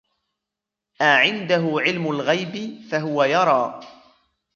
أَعِنْدَهُ عِلْمُ الْغَيْبِ فَهُوَ يَرَى